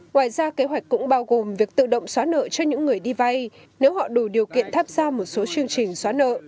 ngoài ra kế hoạch cũng bao gồm việc tự động xóa nợ cho những người đi vay nếu họ đủ điều kiện tháp ra một số chương trình xóa nợ